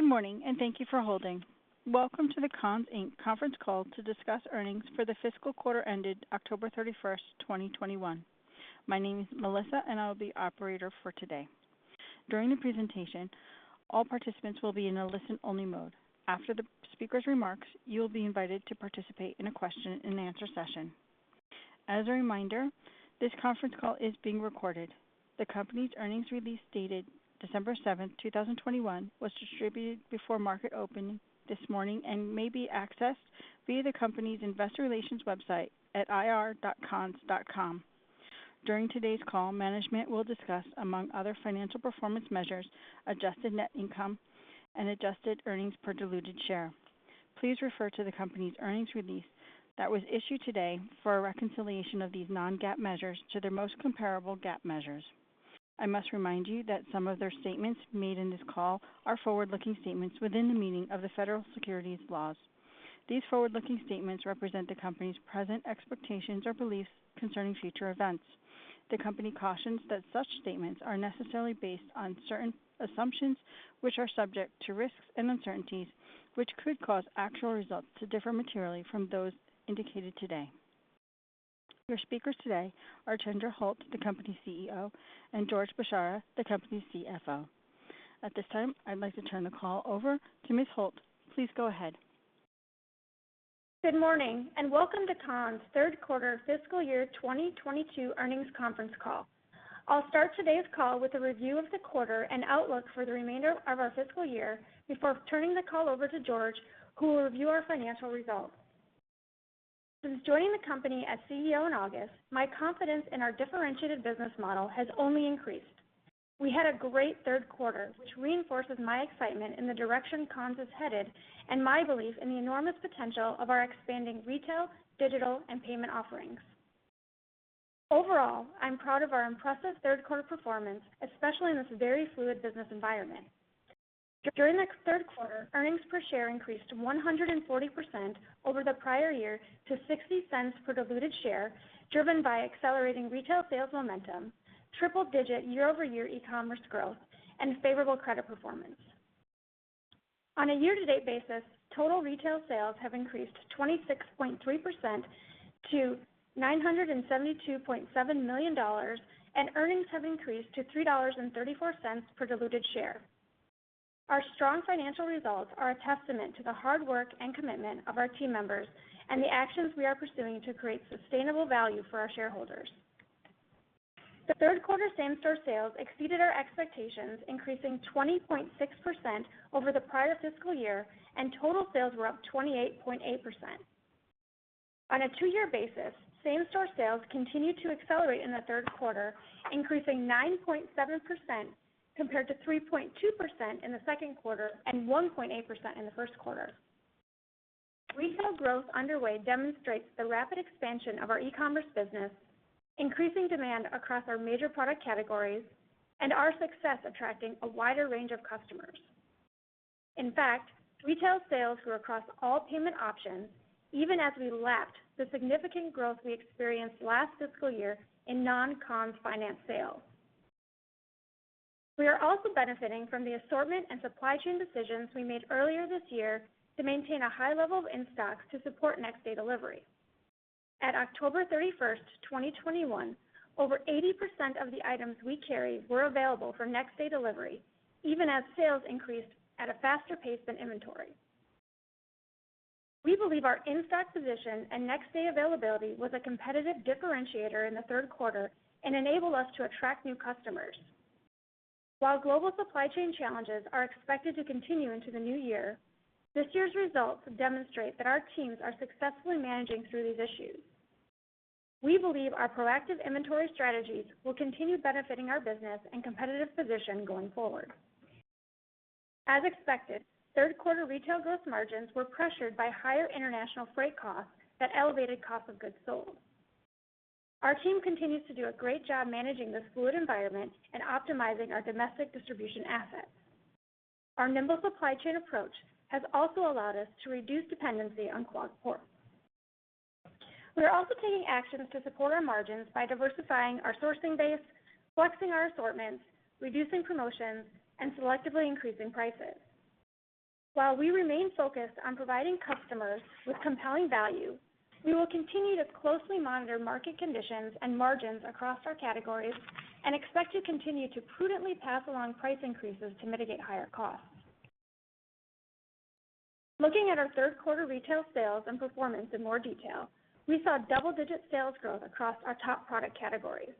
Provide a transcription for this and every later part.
Good morning, and thank you for holding. Welcome to the Conn's, Inc. conference call to discuss earnings for the fiscal quarter ended October 31, 2021. My name is Melissa, and I'll be operator for today. During the presentation, all participants will be in a listen-only mode. After the speaker's remarks, you'll be invited to participate in a question and answer session. As a reminder, this conference call is being recorded. The company's earnings release dated December 7, 2021, was distributed before market opening this morning and may be accessed via the company's investor relations website at ir.conns.com. During today's call, management will discuss, among other financial performance measures, adjusted net income and adjusted earnings per diluted share. Please refer to the company's earnings release that was issued today for a reconciliation of these non-GAAP measures to their most comparable GAAP measures. I must remind you that some of their statements made in this call are forward-looking statements within the meaning of the federal securities laws. These forward-looking statements represent the company's present expectations or beliefs concerning future events. The company cautions that such statements are necessarily based on certain assumptions which are subject to risks and uncertainties, which could cause actual results to differ materially from those indicated today. Your speakers today are Chandra Holt, the company's CEO, and George Bchara, the company's CFO. At this time, I'd like to turn the call over to Ms. Holt. Please go ahead. Good morning, and welcome to Conn's third quarter fiscal year 2022 earnings conference call. I'll start today's call with a review of the quarter and outlook for the remainder of our fiscal year before turning the call over to George, who will review our financial results. Since joining the company as CEO in August, my confidence in our differentiated business model has only increased. We had a great third quarter, which reinforces my excitement in the direction Conn's is headed and my belief in the enormous potential of our expanding retail, digital, and payment offerings. Overall, I'm proud of our impressive third quarter performance, especially in this very fluid business environment. During the third quarter, earnings per share increased 140% over the prior year to $0.60 per diluted share, driven by accelerating retail sales momentum, triple-digit year-over-year e-commerce growth, and favorable credit performance. On a year-to-date basis, total retail sales have increased 26.3% to $972.7 million, and earnings have increased to $3.34 per diluted share. Our strong financial results are a testament to the hard work and commitment of our team members and the actions we are pursuing to create sustainable value for our shareholders. The third quarter same-store sales exceeded our expectations, increasing 20.6% over the prior fiscal year, and total sales were up 28.8%. On a two-year basis, same-store sales continued to accelerate in the third quarter, increasing 9.7% compared to 3.2% in the second quarter and 1.8% in the first quarter. Retail growth underway demonstrates the rapid expansion of our e-commerce business, increasing demand across our major product categories, and our success attracting a wider range of customers. In fact, retail sales were across all payment options, even as we lapped the significant growth we experienced last fiscal year in non-Conn's finance sales. We are also benefiting from the assortment and supply chain decisions we made earlier this year to maintain a high level of in-stocks to support next-day delivery. At October 31, 2021, over 80% of the items we carry were available for next-day delivery, even as sales increased at a faster pace than inventory. We believe our in-stock position and next-day availability was a competitive differentiator in the third quarter and enabled us to attract new customers. While global supply chain challenges are expected to continue into the new year, this year's results demonstrate that our teams are successfully managing through these issues. We believe our proactive inventory strategies will continue benefiting our business and competitive position going forward. As expected, third quarter retail gross margins were pressured by higher international freight costs that elevated cost of goods sold. Our team continues to do a great job managing this fluid environment and optimizing our domestic distribution assets. Our nimble supply chain approach has also allowed us to reduce dependency on clogged ports. We are also taking actions to support our margins by diversifying our sourcing base, flexing our assortments, reducing promotions, and selectively increasing prices. While we remain focused on providing customers with compelling value, we will continue to closely monitor market conditions and margins across our categories and expect to continue to prudently pass along price increases to mitigate higher costs. Looking at our third quarter retail sales and performance in more detail, we saw double-digit sales growth across our top product categories.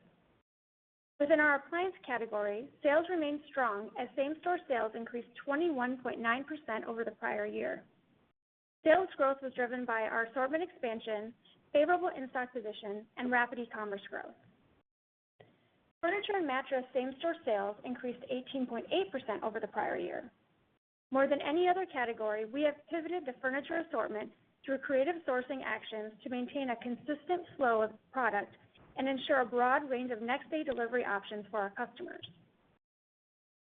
Within our appliance category, sales remained strong as same-store sales increased 21.9% over the prior year. Sales growth was driven by our assortment expansion, favorable in-stock position, and rapid e-commerce growth. Furniture and mattress same-store sales increased 18.8% over the prior year. More than any other category, we have pivoted the furniture assortment through creative sourcing actions to maintain a consistent flow of product and ensure a broad range of next-day delivery options for our customers.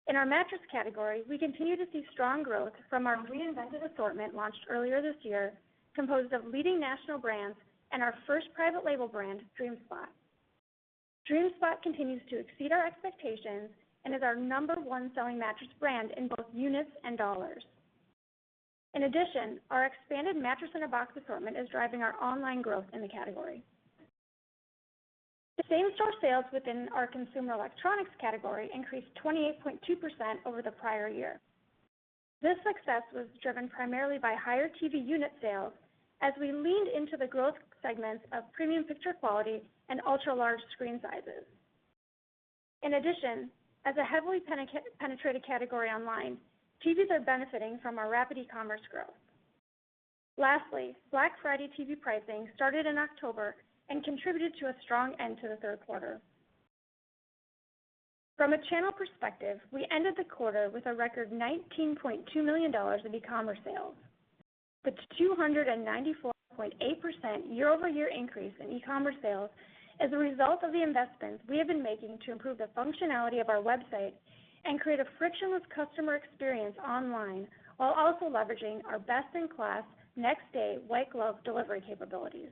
In our mattress category, we continue to see strong growth from our reinvented assortment launched earlier this year, composed of leading national brands and our first private label brand, DreamSpot. DreamSpot continues to exceed our expectations and is our number one selling mattress brand in both units and dollars. In addition, our expanded mattress in a box assortment is driving our online growth in the category. The same-store sales within our consumer electronics category increased 28.2% over the prior year. This success was driven primarily by higher TV unit sales as we leaned into the growth segments of premium picture quality and ultra-large screen sizes. In addition, as a heavily penetrated category online, TVs are benefiting from our rapid e-commerce growth. Lastly, Black Friday TV pricing started in October and contributed to a strong end to the third quarter. From a channel perspective, we ended the quarter with a record $19.2 million of e-commerce sales. It's a 294.8% year-over-year increase in e-commerce sales as a result of the investments we have been making to improve the functionality of our website and create a frictionless customer experience online while also leveraging our best-in-class next-day white glove delivery capabilities.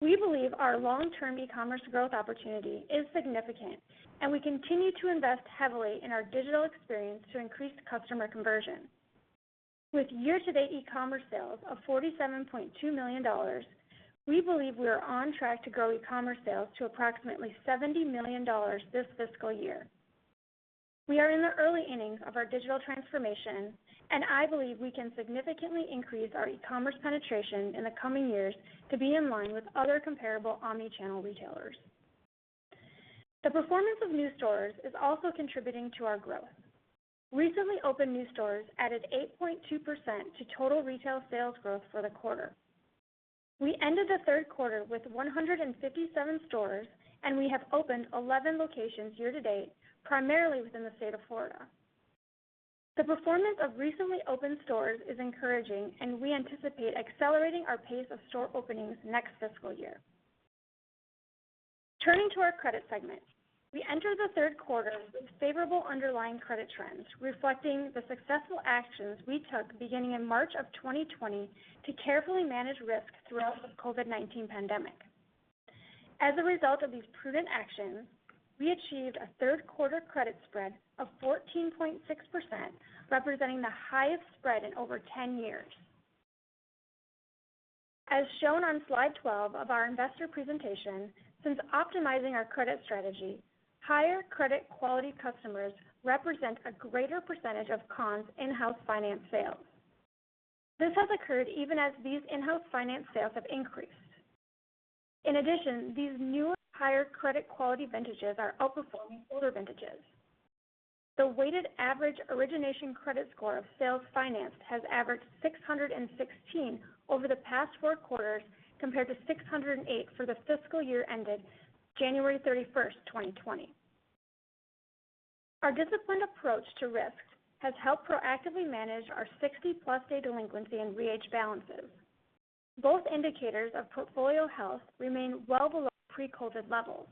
We believe our long-term e-commerce growth opportunity is significant, and we continue to invest heavily in our digital experience to increase customer conversion. With year-to-date e-commerce sales of $47.2 million, we believe we are on track to grow e-commerce sales to approximately $70 million this fiscal year. We are in the early innings of our digital transformation, and I believe we can significantly increase our e-commerce penetration in the coming years to be in line with other comparable omni-channel retailers. The performance of new stores is also contributing to our growth. Recently opened new stores added 8.2% to total retail sales growth for the quarter. We ended the third quarter with 157 stores, and we have opened 11 locations year-to-date, primarily within the state of Florida. The performance of recently opened stores is encouraging, and we anticipate accelerating our pace of store openings next fiscal year. Turning to our credit segment, we entered the third quarter with favorable underlying credit trends, reflecting the successful actions we took beginning in March 2020 to carefully manage risk throughout the COVID-19 pandemic. As a result of these prudent actions, we achieved a third quarter credit spread of 14.6%, representing the highest spread in over 10 years. As shown on slide 12 of our investor presentation, since optimizing our credit strategy, higher credit quality customers represent a greater percentage of Conn's in-house finance sales. This has occurred even as these in-house finance sales have increased. In addition, these newer, higher credit quality vintages are outperforming older vintages. The weighted average origination credit score of sales financed has averaged 616 over the past four quarters, compared to 608 for the fiscal year ended January 31, 2020. Our disciplined approach to risk has helped proactively manage our 60+ day delinquency and re-age balances. Both indicators of portfolio health remain well below pre-COVID levels.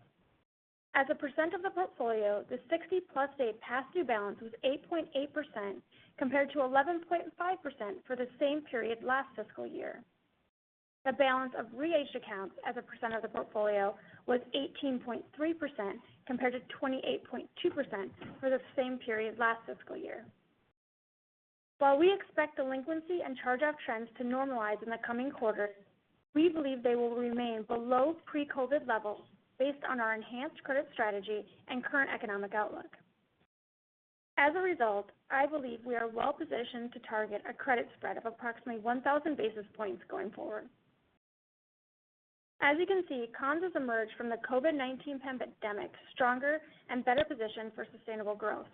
As a percent of the portfolio, the 60+ day past due balance was 8.8% compared to 11.5% for the same period last fiscal year. The balance of re-aged accounts as a percent of the portfolio was 18.3% compared to 28.2% for the same period last fiscal year. While we expect delinquency and charge-off trends to normalize in the coming quarters, we believe they will remain below pre-COVID levels based on our enhanced credit strategy and current economic outlook. As a result, I believe we are well positioned to target a credit spread of approximately 1,000 basis points going forward. As you can see, Conn's has emerged from the COVID-19 pandemic stronger and better positioned for sustainable growth.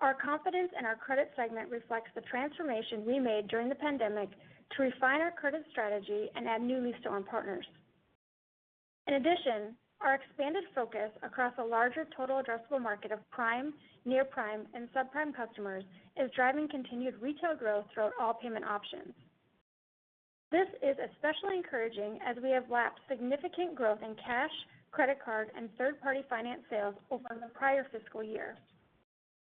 Our confidence in our credit segment reflects the transformation we made during the pandemic to refine our credit strategy and add new lease to our partners. In addition, our expanded focus across a larger total addressable market of prime, near-prime, and subprime customers is driving continued retail growth throughout all payment options. This is especially encouraging as we have lapped significant growth in cash, credit card, and third-party finance sales over the prior fiscal year.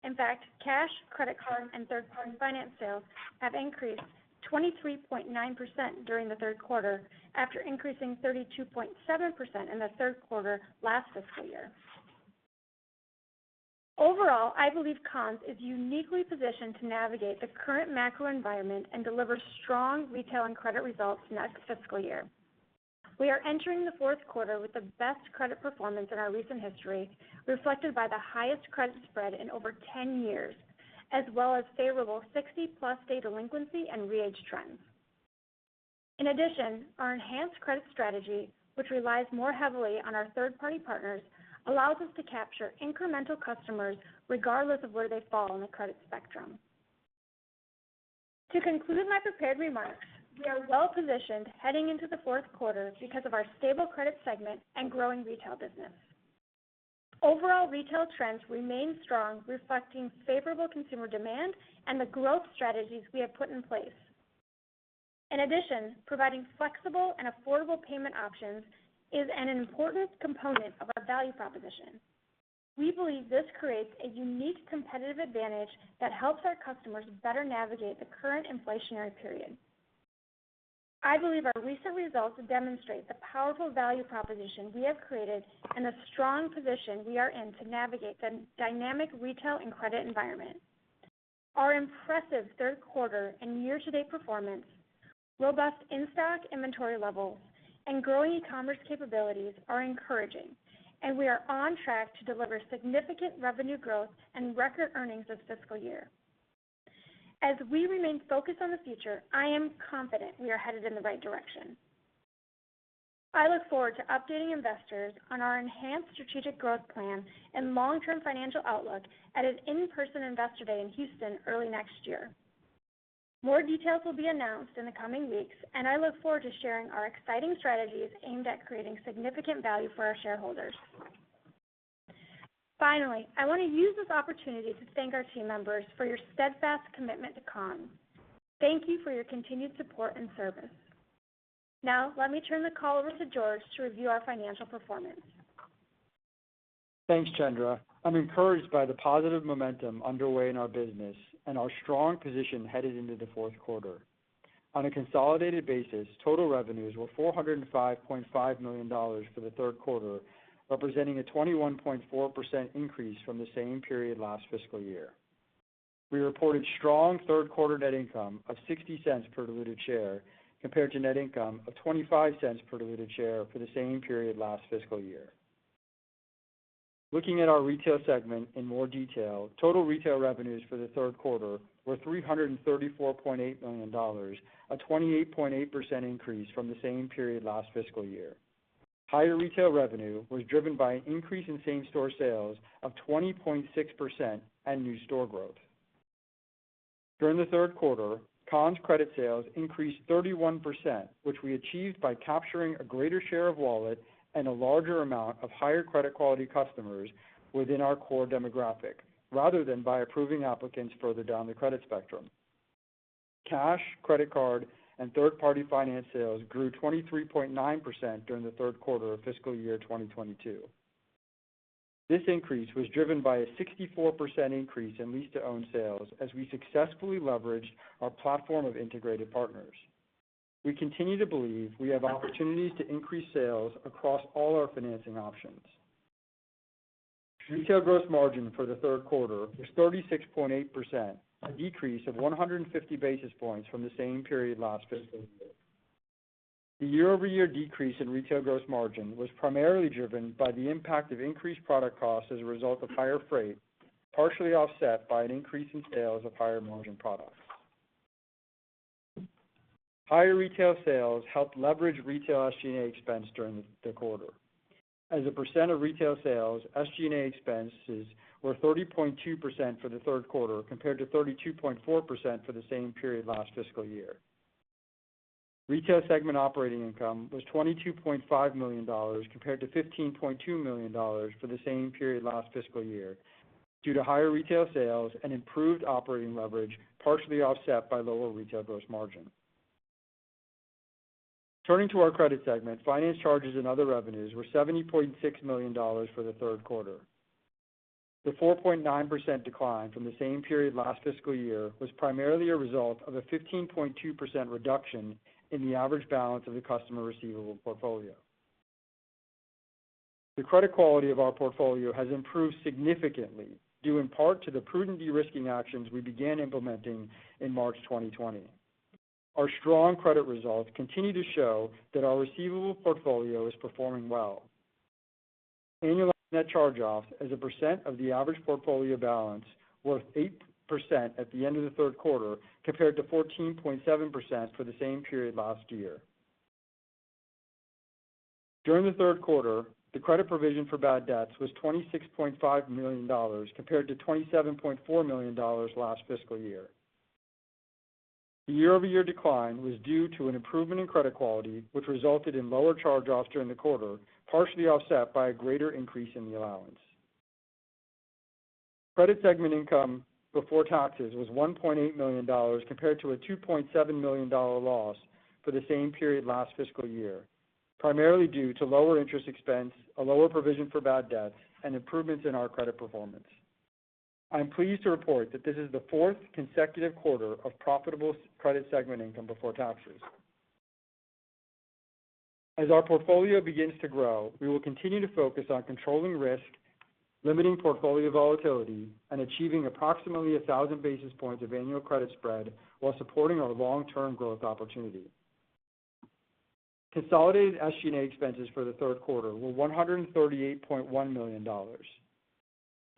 In fact, cash, credit card, and third-party finance sales have increased 23.9% during the third quarter after increasing 32.7% in the third quarter last fiscal year. Overall, I believe Conn's is uniquely positioned to navigate the current macro environment and deliver strong retail and credit results next fiscal year. We are entering the fourth quarter with the best credit performance in our recent history, reflected by the highest credit spread in over 10 years, as well as favorable 60+ day delinquency and re-age trends. In addition, our enhanced credit strategy, which relies more heavily on our third-party partners, allows us to capture incremental customers regardless of where they fall in the credit spectrum. To conclude my prepared remarks, we are well-positioned heading into the fourth quarter because of our stable credit segment and growing retail business. Overall retail trends remain strong, reflecting favorable consumer demand and the growth strategies we have put in place. In addition, providing flexible and affordable payment options is an important component of our value proposition. We believe this creates a unique competitive advantage that helps our customers better navigate the current inflationary period. I believe our recent results demonstrate the powerful value proposition we have created and the strong position we are in to navigate the dynamic retail and credit environment. Our impressive third quarter and year-to-date performance, robust in-stock inventory levels, and growing e-commerce capabilities are encouraging, and we are on track to deliver significant revenue growth and record earnings this fiscal year. As we remain focused on the future, I am confident we are headed in the right direction. I look forward to updating investors on our enhanced strategic growth plan and long-term financial outlook at an in-person Investor Day in Houston early next year. More details will be announced in the coming weeks, and I look forward to sharing our exciting strategies aimed at creating significant value for our shareholders. Finally, I want to use this opportunity to thank our team members for your steadfast commitment to Conn's. Thank you for your continued support and service. Now, let me turn the call over to George to review our financial performance. Thanks, Chandra. I'm encouraged by the positive momentum underway in our business and our strong position headed into the fourth quarter. On a consolidated basis, total revenues were $405.5 million for the third quarter, representing a 21.4% increase from the same period last fiscal year. We reported strong third quarter net income of $0.60 per diluted share, compared to net income of $0.25 per diluted share for the same period last fiscal year. Looking at our retail segment in more detail, total retail revenues for the third quarter were $334.8 million, a 28.8% increase from the same period last fiscal year. Higher retail revenue was driven by an increase in same-store sales of 20.6% and new store growth. During the third quarter, Conn's credit sales increased 31%, which we achieved by capturing a greater share of wallet and a larger amount of higher credit quality customers within our core demographic, rather than by approving applicants further down the credit spectrum. Cash, credit card, and third-party finance sales grew 23.9% during the third quarter of fiscal year 2022. This increase was driven by a 64% increase in lease-to-own sales as we successfully leveraged our platform of integrated partners. We continue to believe we have opportunities to increase sales across all our financing options. Retail gross margin for the third quarter was 36.8%, a decrease of 150 basis points from the same period last fiscal year. The year-over-year decrease in retail gross margin was primarily driven by the impact of increased product costs as a result of higher freight, partially offset by an increase in sales of higher margin products. Higher retail sales helped leverage retail SG&A expense during the quarter. As a percent of retail sales, SG&A expenses were 30.2% for the third quarter, compared to 32.4% for the same period last fiscal year. Retail segment operating income was $22.5 million compared to $15.2 million for the same period last fiscal year due to higher retail sales and improved operating leverage, partially offset by lower retail gross margin. Turning to our credit segment, finance charges and other revenues were $70.6 million for the third quarter. The 4.9% decline from the same period last fiscal year was primarily a result of a 15.2% reduction in the average balance of the customer receivable portfolio. The credit quality of our portfolio has improved significantly, due in part to the prudent de-risking actions we began implementing in March 2020. Our strong credit results continue to show that our receivable portfolio is performing well. Annualized net charge-offs as a percent of the average portfolio balance was 8% at the end of the third quarter, compared to 14.7% for the same period last year. During the third quarter, the credit provision for bad debts was $26.5 million, compared to $27.4 million last fiscal year. The year-over-year decline was due to an improvement in credit quality, which resulted in lower charge-offs during the quarter, partially offset by a greater increase in the allowance. Credit segment income before taxes was $1.8 million, compared to a $2.7 million dollar loss for the same period last fiscal year, primarily due to lower interest expense, a lower provision for bad debts, and improvements in our credit performance. I am pleased to report that this is the fourth consecutive quarter of profitable credit segment income before taxes. As our portfolio begins to grow, we will continue to focus on controlling risk, limiting portfolio volatility, and achieving approximately 1,000 basis points of annual credit spread while supporting our long-term growth opportunity. Consolidated SG&A expenses for the third quarter were $138.1 million.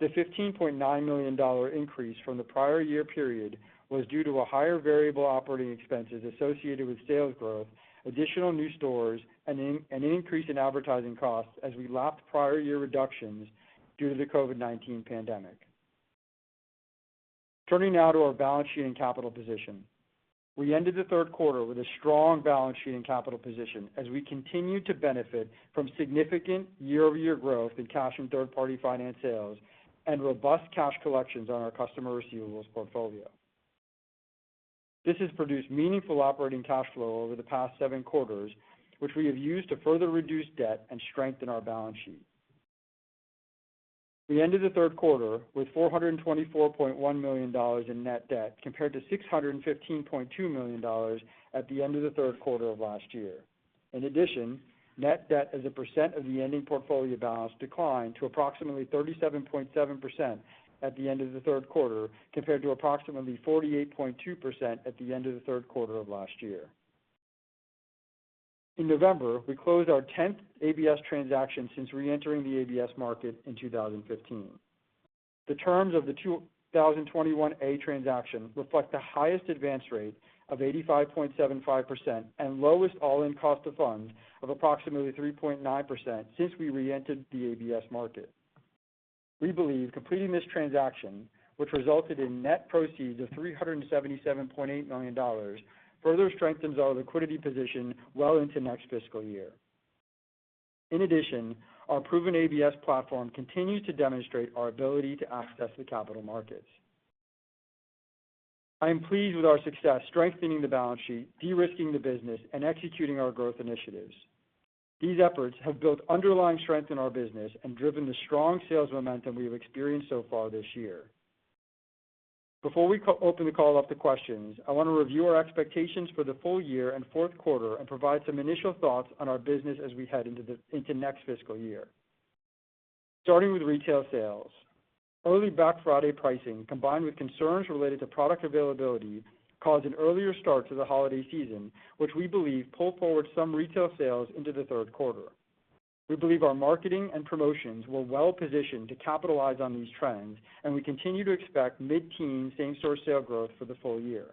The $15.9 million increase from the prior year period was due to a higher variable operating expenses associated with sales growth, additional new stores, and an increase in advertising costs as we lapped prior year reductions due to the COVID-19 pandemic. Turning now to our balance sheet and capital position. We ended the third quarter with a strong balance sheet and capital position as we continue to benefit from significant year-over-year growth in cash and third-party finance sales and robust cash collections on our customer receivables portfolio. This has produced meaningful operating cash flow over the past seven quarters, which we have used to further reduce debt and strengthen our balance sheet. We ended the third quarter with $424.1 million in net debt compared to $615.2 million at the end of the third quarter of last year. In addition, net debt as a percent of the ending portfolio balance declined to approximately 37.7% at the end of the third quarter, compared to approximately 48.2% at the end of the third quarter of last year. In November, we closed our 10th ABS transaction since reentering the ABS market in 2015. The terms of the 2021-A transaction reflect the highest advance rate of 85.75% and lowest all-in cost of funds of approximately 3.9% since we reentered the ABS market. We believe completing this transaction, which resulted in net proceeds of $377.8 million, further strengthens our liquidity position well into next fiscal year. In addition, our proven ABS platform continues to demonstrate our ability to access the capital markets. I am pleased with our success strengthening the balance sheet, de-risking the business and executing our growth initiatives. These efforts have built underlying strength in our business and driven the strong sales momentum we have experienced so far this year. Before we open the call up to questions, I want to review our expectations for the full year and fourth quarter and provide some initial thoughts on our business as we head into next fiscal year. Starting with retail sales. Early Black Friday pricing, combined with concerns related to product availability, caused an earlier start to the holiday season, which we believe pulled forward some retail sales into the third quarter. We believe our marketing and promotions were well positioned to capitalize on these trends, and we continue to expect mid-teen same-store sale growth for the full year.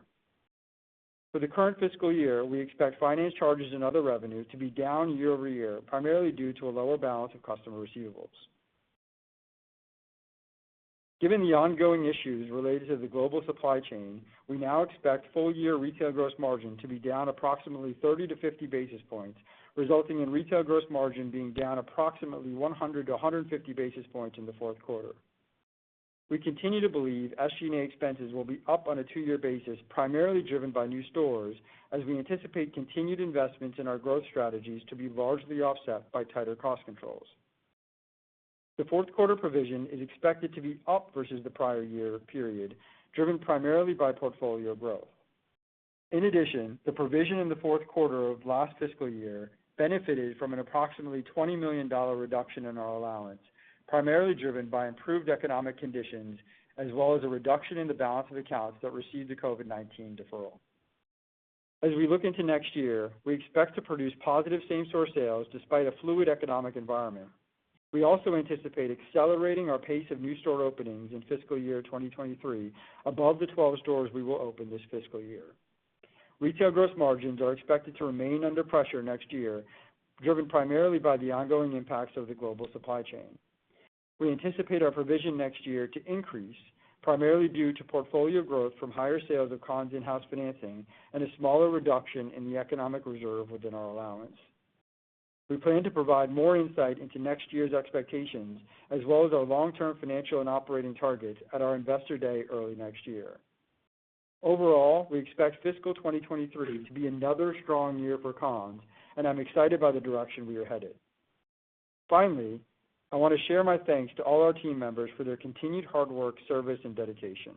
For the current fiscal year, we expect finance charges and other revenue to be down year-over-year, primarily due to a lower balance of customer receivables. Given the ongoing issues related to the global supply chain, we now expect full year retail gross margin to be down approximately 30-50 basis points, resulting in retail gross margin being down approximately 100-150 basis points in the fourth quarter. We continue to believe SG&A expenses will be up on a two-year basis, primarily driven by new stores, as we anticipate continued investments in our growth strategies to be largely offset by tighter cost controls. The fourth quarter provision is expected to be up versus the prior year period, driven primarily by portfolio growth. In addition, the provision in the fourth quarter of last fiscal year benefited from an approximately $20 million reduction in our allowance, primarily driven by improved economic conditions, as well as a reduction in the balance of accounts that received the COVID-19 deferral. As we look into next year, we expect to produce positive same-store sales despite a fluid economic environment. We also anticipate accelerating our pace of new store openings in fiscal year 2023 above the 12 stores we will open this fiscal year. Retail gross margins are expected to remain under pressure next year, driven primarily by the ongoing impacts of the global supply chain. We anticipate our provision next year to increase, primarily due to portfolio growth from higher sales of Conn's in-house financing and a smaller reduction in the economic reserve within our allowance. We plan to provide more insight into next year's expectations, as well as our long-term financial and operating targets at our Investor Day early next year. Overall, we expect fiscal 2023 to be another strong year for Conn's, and I'm excited by the direction we are headed. Finally, I want to share my thanks to all our team members for their continued hard work, service and dedication.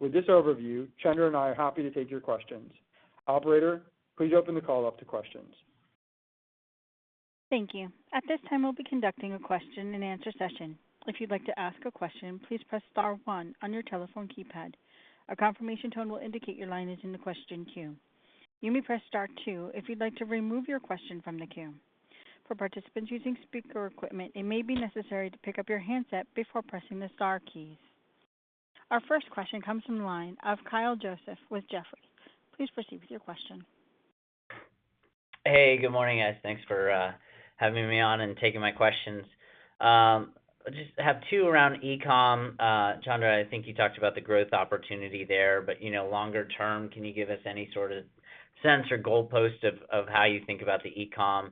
With this overview, Chandra and I are happy to take your questions. Operator, please open the call up to questions. Thank you. At this time, we'll be conducting a question-and-answer session. If you'd like to ask a question, please press star one on your telephone keypad. A confirmation tone will indicate your line is in the question queue. You may press star two if you'd like to remove your question from the queue. For participants using speaker equipment, it may be necessary to pick up your handset before pressing the star keys. Our first question comes from the line of Kyle Joseph with Jefferies. Please proceed with your question. Hey, good morning, guys. Thanks for having me on and taking my questions. I just have two around e-com. Chandra, I think you talked about the growth opportunity there, but you know, longer term, can you give us any sort of sense or goalpost of how you think about the e-com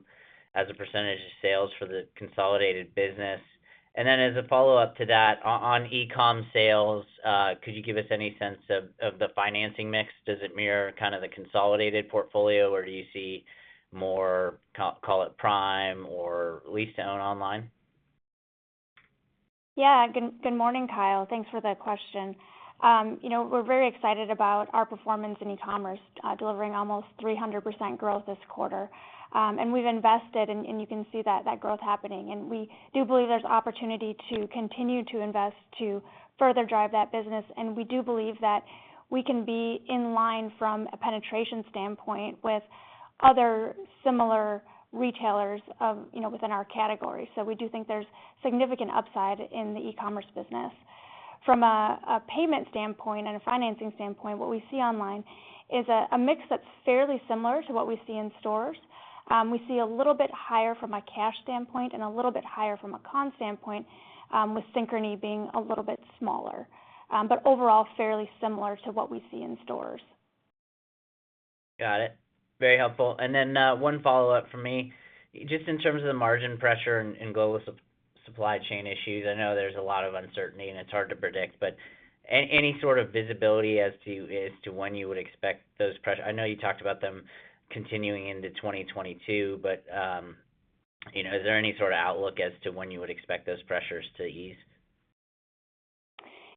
as a percentage of sales for the consolidated business? And then as a follow-up to that, on e-com sales, could you give us any sense of the financing mix? Does it mirror kind of the consolidated portfolio, or do you see more, call it prime or lease own online? Yeah. Good morning, Kyle. Thanks for the question. You know, we're very excited about our performance in e-commerce, delivering almost 300% growth this quarter. We've invested, and you can see that growth happening. We do believe there's opportunity to continue to invest to further drive that business. We do believe that we can be in line from a penetration standpoint with other similar retailers of, you know, within our category. We do think there's significant upside in the e-commerce business. From a payment standpoint and a financing standpoint, what we see online is a mix that's fairly similar to what we see in stores. We see a little bit higher from a cash standpoint and a little bit higher from a Conn's standpoint, with Synchrony being a little bit smaller. Overall fairly similar to what we see in stores. Got it. Very helpful. One follow-up from me. Just in terms of the margin pressure and global supply chain issues, I know there's a lot of uncertainty, and it's hard to predict. Any sort of visibility as to when you would expect those pressures? I know you talked about them continuing into 2022, but you know, is there any sort of outlook as to when you would expect those pressures to ease?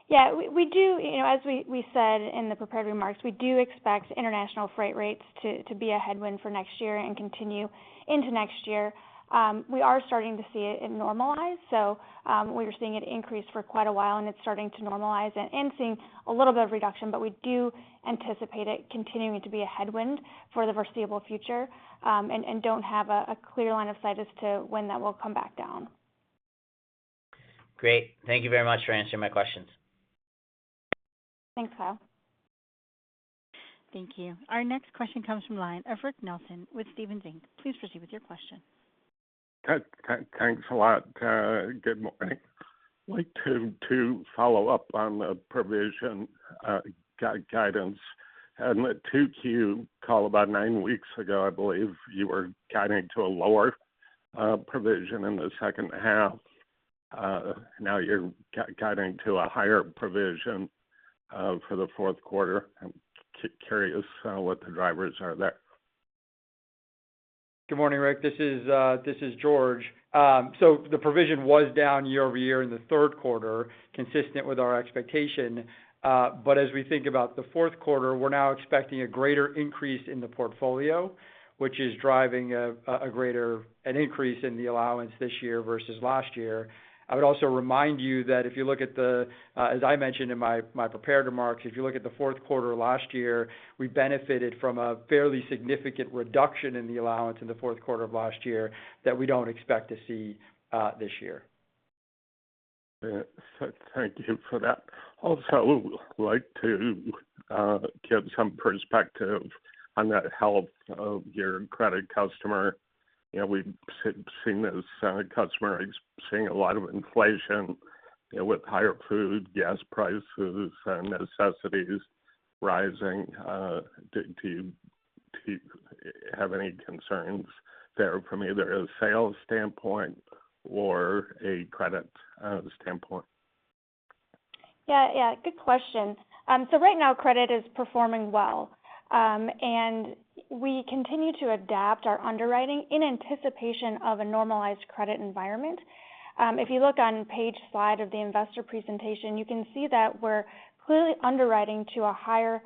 Yeah. We do. You know, as we said in the prepared remarks, we do expect international freight rates to be a headwind for next year and continue into next year. We are starting to see it normalize. We were seeing it increase for quite a while, and it's starting to normalize and seeing a little bit of reduction. We do anticipate it continuing to be a headwind for the foreseeable future, and don't have a clear line of sight as to when that will come back down. Great. Thank you very much for answering my questions. Thanks, Kyle. Thank you. Our next question comes from the line of Rick Nelson with Stephens Inc. Please proceed with your question. Thanks a lot. Good morning. I'd like to follow up on the provision guidance. At the 2Q call about nine weeks ago, I believe you were guiding to a lower provision in the second half. Now you're guiding to a higher provision for the fourth quarter. I'm curious what the drivers are there. Good morning, Rick. This is George. The provision was down year-over-year in the third quarter, consistent with our expectation. As we think about the fourth quarter, we're now expecting a greater increase in the portfolio, which is driving a greater increase in the allowance this year versus last year. I would also remind you that as I mentioned in my prepared remarks, if you look at the fourth quarter last year, we benefited from a fairly significant reduction in the allowance in the fourth quarter of last year that we don't expect to see this year. Thank you for that. Also, like to give some perspective on the health of your credit customer. You know, we've seen those customers seeing a lot of inflation, you know, with higher food, gas prices, and necessities rising. Do you have any concerns there from either a sales standpoint or a credit standpoint? Yeah. Yeah, good question. Right now credit is performing well. We continue to adapt our underwriting in anticipation of a normalized credit environment. If you look on page slide of the investor presentation, you can see that we're clearly underwriting to a higher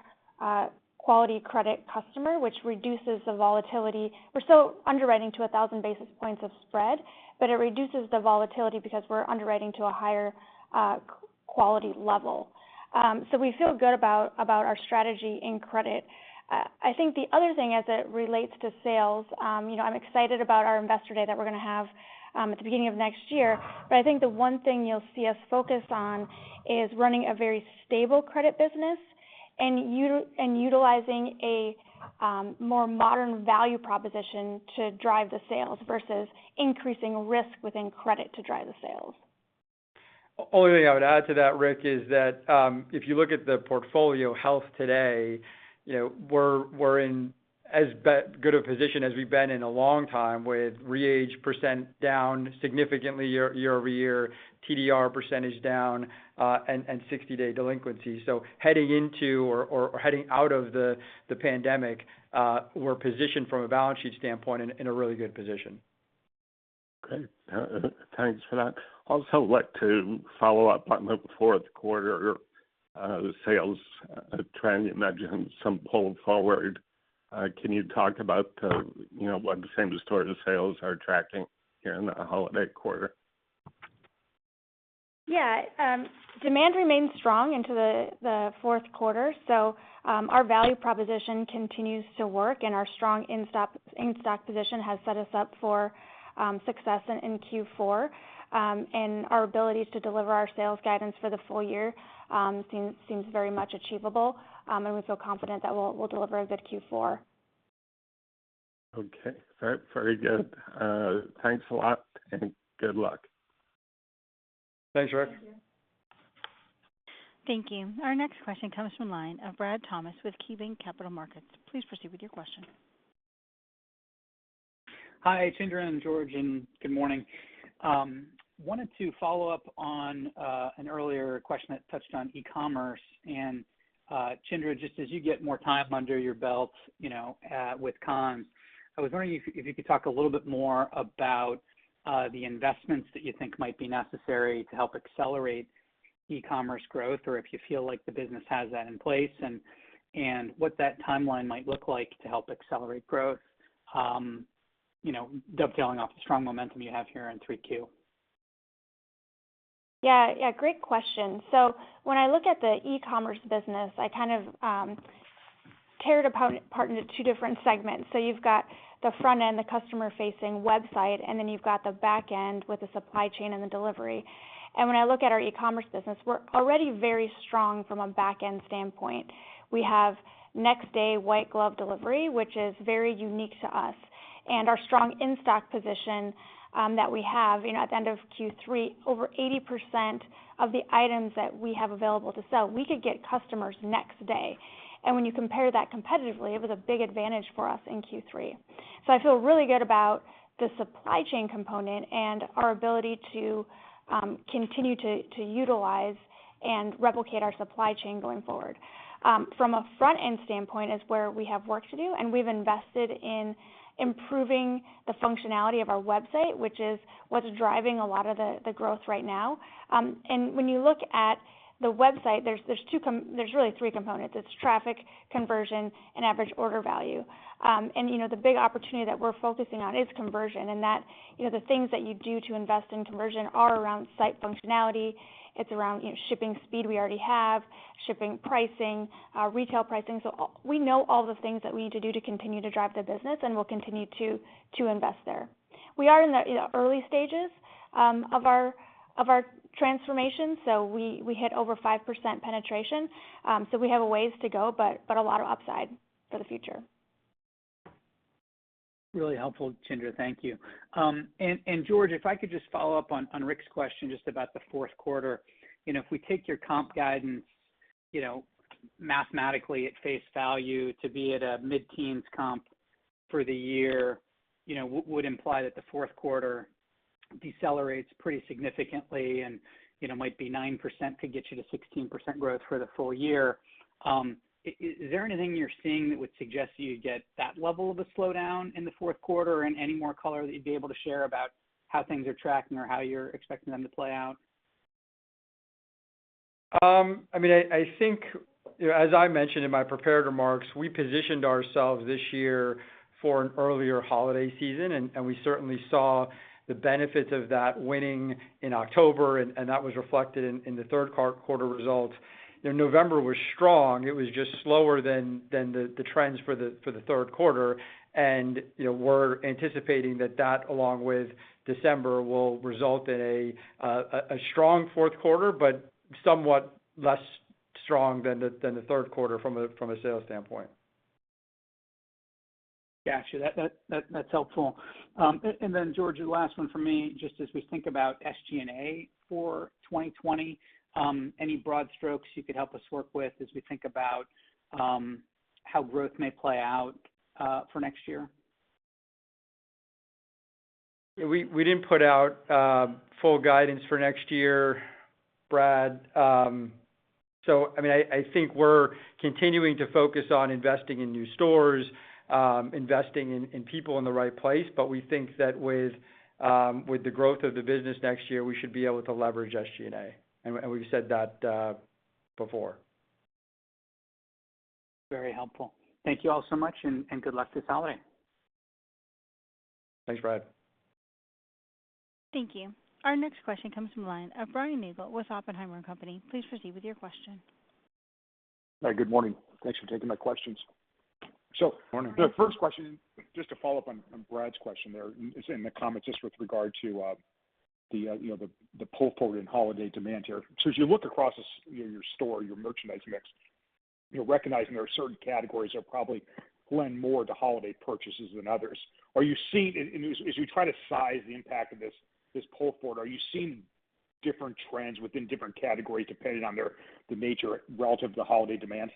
quality credit customer, which reduces the volatility. We're still underwriting to 1,000 basis points of spread, but it reduces the volatility because we're underwriting to a higher quality level. We feel good about our strategy in credit. I think the other thing as it relates to sales, you know, I'm excited about our Investor Day that we're gonna have at the beginning of next year. I think the one thing you'll see us focus on is running a very stable credit business and utilizing a more modern value proposition to drive the sales versus increasing risk within credit to drive the sales. Only thing I would add to that, Rick, is that if you look at the portfolio health today, you know, we're in as good a position as we've been in a long time with re-age % down significantly year-over-year, TDR % down, and 60-day delinquency. Heading out of the pandemic, we're positioned from a balance sheet standpoint in a really good position. Okay. Thanks for that. I'd like to follow up on the fourth quarter sales trend. You mentioned some pull forward. Can you talk about, you know, what the same store sales are tracking here in the holiday quarter? Yeah. Demand remains strong into the fourth quarter. Our value proposition continues to work and our strong in-stock position has set us up for success in Q4. Our ability to deliver our sales guidance for the full year seems very much achievable, and we feel confident that we'll deliver a good Q4. Okay. All right. Very good. Thanks a lot, and good luck. Thanks, Rick. Thank you. Thank you. Our next question comes from the line of Brad Thomas with KeyBanc Capital Markets. Please proceed with your question. Hi, Chandra and George, and good morning. Wanted to follow up on an earlier question that touched on e-commerce. Chandra, just as you get more time under your belt, you know, with Conn's, I was wondering if you could talk a little bit more about the investments that you think might be necessary to help accelerate e-commerce growth or if you feel like the business has that in place and what that timeline might look like to help accelerate growth, you know, dovetailing off the strong momentum you have here in 3Q. Yeah. Yeah, great question. When I look at the e-commerce business, I kind of tear it apart into two different segments. You've got the front end, the customer facing website, and then you've got the back end with the supply chain and the delivery. When I look at our e-commerce business, we're already very strong from a back-end standpoint. We have next day white glove delivery, which is very unique to us. Our strong in-stock position that we have at the end of Q3, over 80% of the items that we have available to sell, we could get customers next day. When you compare that competitively, it was a big advantage for us in Q3. I feel really good about the supply chain component and our ability to continue to utilize and replicate our supply chain going forward. From a front-end standpoint is where we have work to do, and we've invested in improving the functionality of our website, which is what's driving a lot of the growth right now. When you look at the website, there's really three components. It's traffic, conversion, and average order value. You know, the big opportunity that we're focusing on is conversion, and that, you know, the things that you do to invest in conversion are around site functionality, it's around, you know, shipping speed we already have, shipping pricing, retail pricing. We know all the things that we need to do to continue to drive the business, and we'll continue to invest there. We are in the you know early stages of our transformation, so we hit over 5% penetration. We have a ways to go, but a lot of upside for the future. Really helpful, Chandra. Thank you. George Bchara, if I could just follow up on Rick's question just about the fourth quarter. You know, if we take your comp guidance, you know, mathematically at face value to be at a mid-teens comp for the year, you know, would imply that the fourth quarter decelerates pretty significantly and, you know, might be 9% to get you to 16% growth for the full year. Is there anything you're seeing that would suggest you get that level of a slowdown in the fourth quarter and any more color that you'd be able to share about how things are tracking or how you're expecting them to play out? I mean, I think, you know, as I mentioned in my prepared remarks, we positioned ourselves this year for an earlier holiday season, and we certainly saw the benefits of that winning in October, and that was reflected in the third quarter results. You know, November was strong. It was just slower than the trends for the third quarter. We're anticipating that, along with December, will result in a strong fourth quarter, but somewhat less strong than the third quarter from a sales standpoint. Got you. That's helpful. George, the last one for me, just as we think about SG&A for 2020, any broad strokes you could help us work with as we think about how growth may play out for next year? Yeah, we didn't put out full guidance for next year, Brad. I mean, I think we're continuing to focus on investing in new stores, investing in people in the right place, but we think that with the growth of the business next year, we should be able to leverage SG&A. We've said that before. Very helpful. Thank you all so much and good luck this holiday. Thanks, Brad. Thank you. Our next question comes from the line of Brian Nagel with Oppenheimer & Co. Please proceed with your question. Hi, good morning. Thanks for taking my questions. The first question, just to follow up on Brad's question there in the comments just with regard to you know, the pull forward in holiday demand here. As you look across you know, your store, your merchandise mix, you're recognizing there are certain categories that probably lend more to holiday purchases than others. Are you seeing, as you try to size the impact of this pull forward, different trends within different categories depending on the nature relative to holiday demand?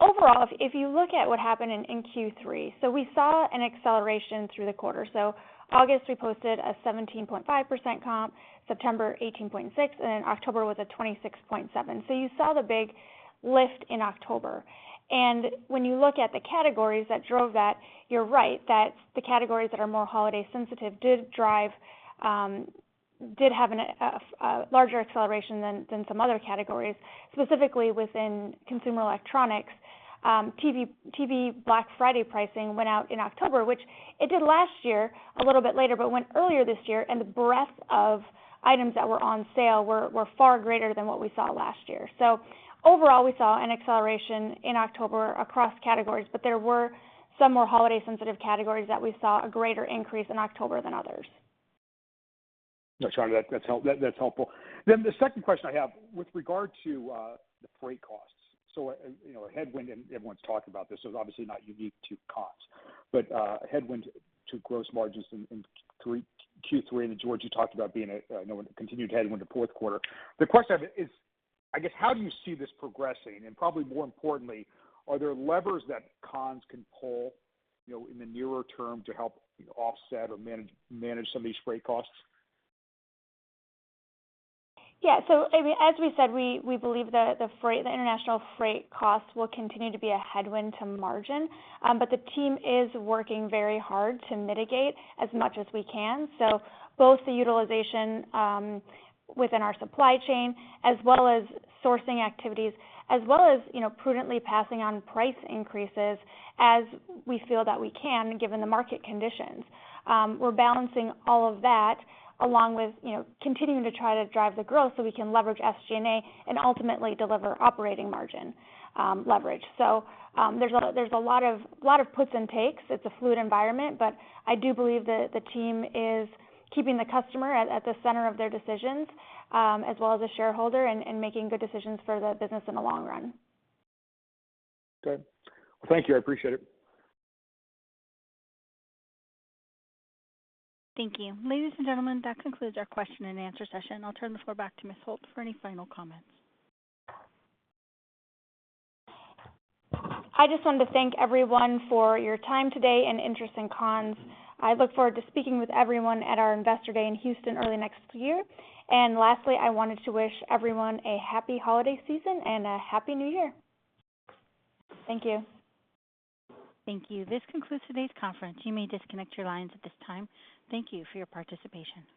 Overall if you look at what happened in Q3, we saw an acceleration through the quarter. August we posted a 17.5% comp, September 18.6%, and then October was a 26.7%. You saw the big lift in October. When you look at the categories that drove that, you're right that the categories that are more holiday sensitive did have a larger acceleration than some other categories, specifically within consumer electronics. TV Black Friday pricing went out in October, which it did last year a little bit later, but went earlier this year, and the breadth of items that were on sale were far greater than what we saw last year. Overall, we saw an acceleration in October across categories, but there were some more holiday sensitive categories that we saw a greater increase in October than others. Got you. That's helpful. The second question I have with regard to the freight costs. You know, a headwind, and everyone's talked about this, so it's obviously not unique to Conn's. Headwind to gross margins in Q3, and George, you talked about being a continued headwind in the fourth quarter. The question I have is, I guess, how do you see this progressing? Probably more importantly, are there levers that Conn's can pull, you know, in the nearer term to help, you know, offset or manage some of these freight costs? Yeah. I mean, as we said, we believe that the freight, the international freight costs will continue to be a headwind to margin, but the team is working very hard to mitigate as much as we can. Both the utilization within our supply chain as well as sourcing activities, as well as, you know, prudently passing on price increases as we feel that we can, given the market conditions. We're balancing all of that along with, you know, continuing to try to drive the growth so we can leverage SG&A and ultimately deliver operating margin leverage. There's a lot of puts and takes. It's a fluid environment, but I do believe that the team is keeping the customer at the center of their decisions, as well as the shareholder and making good decisions for the business in the long run. Okay. Thank you. I appreciate it. Thank you. Ladies and gentlemen, that concludes our question and answer session. I'll turn the floor back to Ms. Holt for any final comments. I just wanted to thank everyone for your time today and interest in Conn's. I look forward to speaking with everyone at our Investor Day in Houston early next year. Lastly, I wanted to wish everyone a happy holiday season and a happy new year. Thank you. Thank you. This concludes today's conference. You may disconnect your lines at this time. Thank you for your participation.